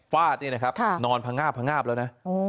ฟาดเนี่ยนะครับค่ะนอนพังงาบพังงาบแล้วนะโอ้